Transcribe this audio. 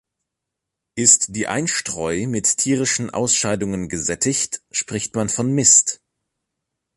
Ist die Einstreu mit tierischen Ausscheidungen gesättigt, spricht man von Mist.